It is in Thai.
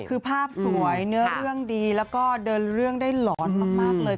คือภาพสวยเนื้อเรื่องดีแล้วก็เดินเรื่องได้หลอนมากเลย